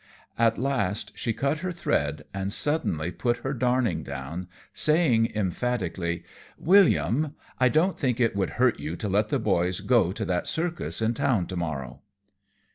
At last she cut her thread and suddenly put her darning down, saying emphatically: "William, I don't think it would hurt you to let the boys go to that circus in town to morrow."